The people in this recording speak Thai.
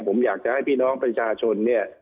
ผมอยากจะให้พี่น้องประชาชนเนี่ย